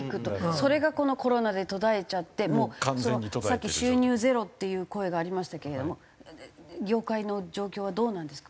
それがこのコロナで途絶えちゃってもうそのさっき収入ゼロっていう声がありましたけれども業界の状況はどうなんですか？